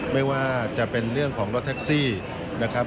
ไม่ว่าจะเป็นเรื่องของรถแท็กซี่นะครับ